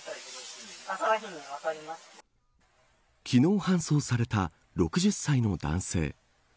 昨日搬送された６０歳の男性。